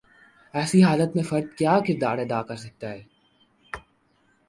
ایسی حالت میں ایک فرد کیا کردار ادا کر سکتا ہے؟